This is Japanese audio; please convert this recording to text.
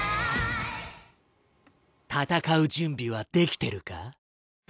戦う準備はできてるか。